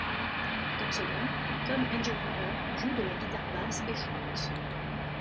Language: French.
Dans Sodom, Tom Angelripper joue de la guitare basse et chante.